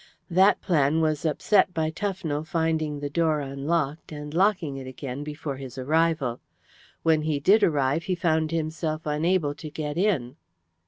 That plan was upset by Tufnell finding the door unlocked, and locking it again before his arrival. When he did arrive he found himself unable to get in."